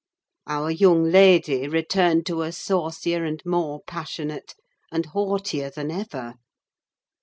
Our young lady returned to us saucier and more passionate, and haughtier than ever.